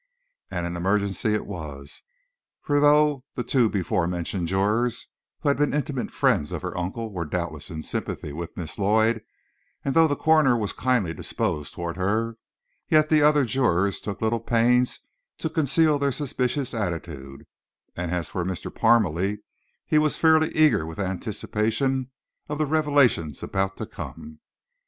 And an emergency it was; for though the two before mentioned jurors, who had been intimate friends of her uncle, were doubtless in sympathy with Miss Lloyd, and though the coroner was kindly disposed toward her, yet the other jurors took little pains to conceal their suspicious attitude, and as for Mr. Parmalee, he was fairly eager with anticipation of the revelations about to come.